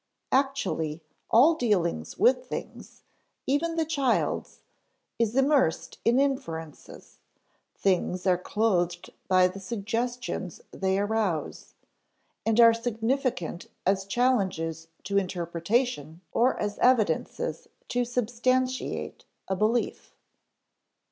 Actually, all dealing with things, even the child's, is immersed in inferences; things are clothed by the suggestions they arouse, and are significant as challenges to interpretation or as evidences to substantiate a belief.